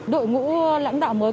đội ngũ lãnh đạo mới